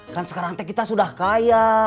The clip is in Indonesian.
kan sekarang kita sudah kaya